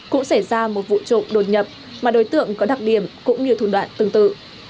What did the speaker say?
cũng xảy ra một vụ trộm đột nhập mà đối tượng có đặc điểm cũng như thủ đoạn tương tự